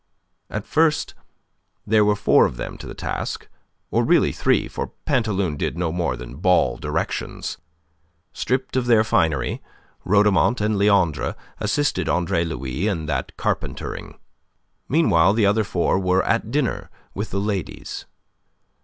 At first there were four of them to the task or really three, for Pantaloon did no more than bawl directions. Stripped of their finery, Rhodomont and Leandre assisted Andre Louis in that carpentering. Meanwhile the other four were at dinner with the ladies.